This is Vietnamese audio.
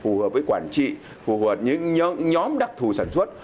phù hợp với quản trị phù hợp những nhóm đặc thù sản xuất